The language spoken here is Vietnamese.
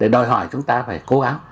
đòi hỏi chúng ta phải cố gắng